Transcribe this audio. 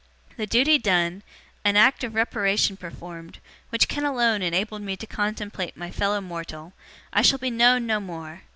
'The duty done, and act of reparation performed, which can alone enable me to contemplate my fellow mortal, I shall be known no more.